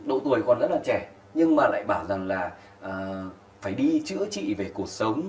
độ tuổi còn rất là trẻ nhưng mà lại bảo rằng là phải đi chữa trị về cuộc sống